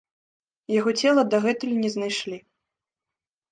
Яго цела дагэтуль не знайшлі.